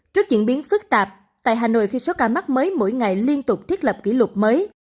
trước diễn biến phức tạp tại hà nội khi số ca mắc mới mỗi ngày liên tục thiết lập kỷ lục mới